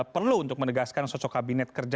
perlu untuk menegaskan sosok kabinet kerja